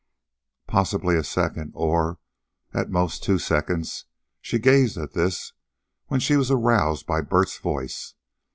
Possibly a second, or, at most, two seconds, she gazed at this, when she was aroused by Bert's voice.